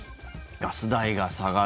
ガス代が下がる